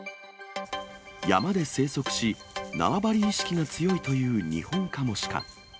山で生息し、縄張り意識が強いというニホンカモシカ。